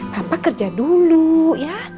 papa kerja dulu ya